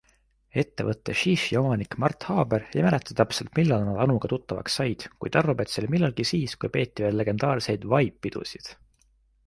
Ettevõtte ShiShi omanik Mart Haber ei mäleta täpselt, millal nad Anuga tuttavaks said, kuid arvab, et see oli millalgi siis, kui peeti veel legendaarseid Vibe-pidusid.